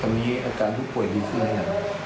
ตอนนี้อาการผู้ป่วยดีขึ้นแล้วครับ